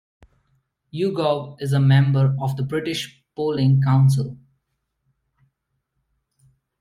YouGov is a member of the British Polling Council.